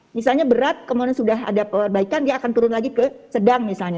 misalnya berat kemudian sudah ada perbaikan dia akan turun lagi ke sedang misalnya